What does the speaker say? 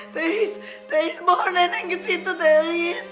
teris teris bawa nenek kesitu teris